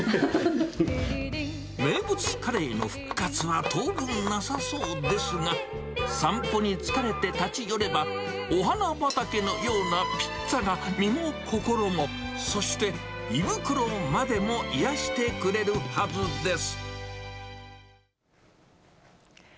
名物カレーの復活は当分なさ散歩に疲れて立ち寄れば、お花畑のようなピッツァが身も心も、そして胃袋までも癒やしてくれるはずです。